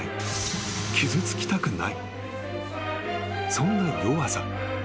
［そんな弱さ。